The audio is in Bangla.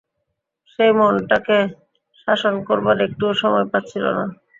সেই মনটাকে শাসন করবার একটুও সময় পাচ্ছিল না।